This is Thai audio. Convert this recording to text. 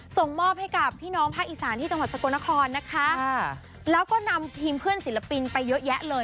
ส่งมอบให้กับพี่น้องภาคอีสานที่จังหวัดสกลนครนะคะแล้วก็นำทีมเพื่อนศิลปินไปเยอะแยะเลย